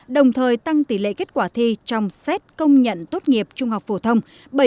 đồng thời tăng tỷ lệ kết quả thi trong xét công nhận tốt nghiệp trung học phổ thông